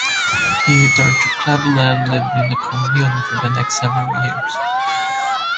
He returned to Cleveland and lived in a commune for the next several years.